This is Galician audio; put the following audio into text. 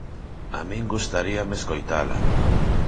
A min gustaríame escoitala.